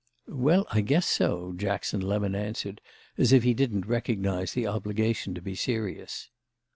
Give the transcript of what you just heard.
"Well, I guess so," Jackson Lemon answered as if he didn't recognise the obligation to be serious.